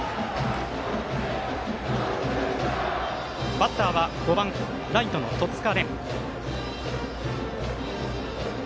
バッターは５番ライトの戸塚廉。